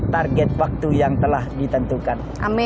target waktu yang telah ditentukan